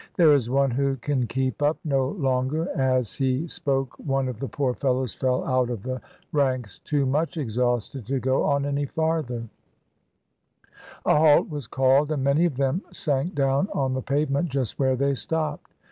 "There is one who can keep up no longer;*' as he spoke one of the poor fellows fell out of the ranks too much exhausted to go on any farther; a halt was called, and many of them sank down on the pavement just where they stopped.